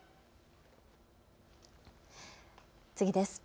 次です。